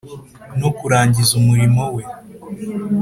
no kurangiza umurimo we